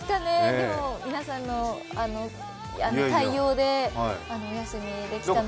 でも皆さんの対応でお休みできたので。